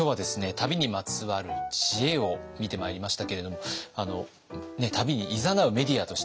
旅にまつわる知恵を見てまいりましたけれども旅にいざなうメディアとして宮田さん